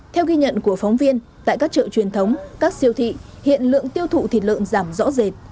theo ghi nhận của phóng viên tại các chợ truyền thống các siêu thị hiện lượng tiêu thụ thịt lợn giảm rõ rệt